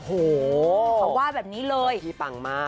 เขาว่าแบบนี้เลยทีพังมาก